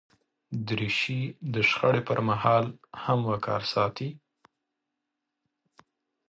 دریشي د شخړې پر مهال هم وقار ساتي.